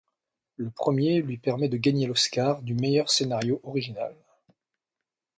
Le premier lui permet de gagner l'Oscar du meilleur scénario original.